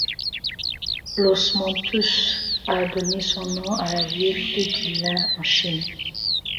L’osmanthus a donné son nom à la ville de Guilin, en Chine.